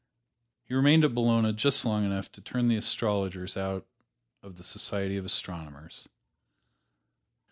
He remained at Bologna just long enough to turn the astrologers out of the society of astronomers.